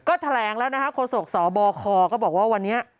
ก็แถลงแล้วนะครับโศกสบคก็บอกว่าวันนี้